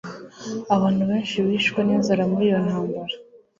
Abantu benshi bishwe ninzara muri iyo ntambara